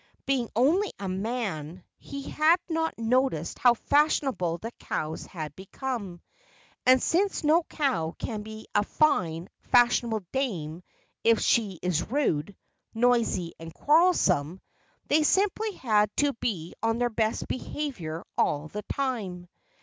Being only a man, he had not noticed how fashionable the cows had become. And since no cow can be a fine, fashionable dame if she is rude, noisy and quarrelsome, they simply had to be on their best behavior all the time.